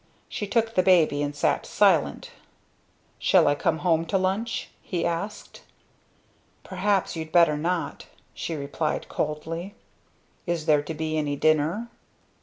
She took the baby and sat silent. "Shall I come home to lunch?" he asked. "Perhaps you'd better not," she replied coldly. "Is there to be any dinner?"